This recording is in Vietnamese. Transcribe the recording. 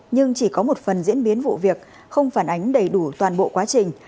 nhưng chỉ có một phần diễn biến vụ việc không phản ánh đầy đủ toàn bộ quá trình